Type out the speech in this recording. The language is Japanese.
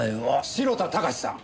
城田貴さん。